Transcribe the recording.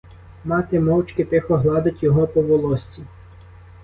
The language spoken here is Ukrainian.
Мати мовчки, тихо гладить його по волоссі.